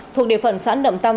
thuộc địa phận xã nậm tâm